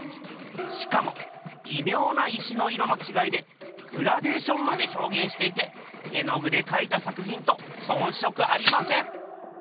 しかもびみょうな石の色のちがいでグラデーションまでひょうげんしていて絵の具でかいた作ひんとそんしょくありません。